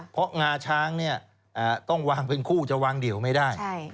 เพราะงาช้างต้องวางเป็นคู่จะวางเดี่ยวไม่ได้